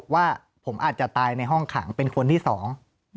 ว่าผมอาจจะตายในห้องขังเป็นคนที่สอง